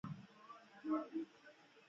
د کونړ په نرنګ کې د کرومایټ نښې شته.